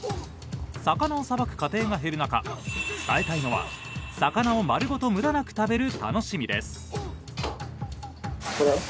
魚をさばく家庭が減る中伝えたいのは魚を丸ごと無駄なく食べる楽しみです。